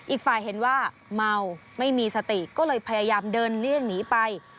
อีกฝ่ายเห็นว่าเมาไม่มีสติก็เลยพยายามเดินเลี่ยงหนีไป